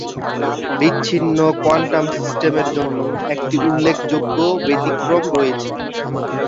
বিচ্ছিন্ন কোয়ান্টাম সিস্টেমের জন্য একটি উল্লেখযোগ্য ব্যতিক্রম রয়েছে।